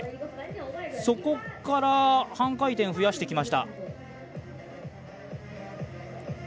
そこから半回転増やしてきました。